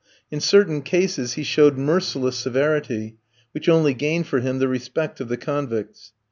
In certain cases he showed merciless severity which only gained for him the respect of the convicts.